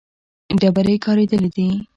ډبرې کارېدلې دي.